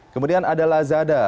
kemudian ada lazada